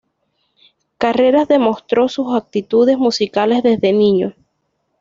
Carreras demostró sus aptitudes musicales desde niño.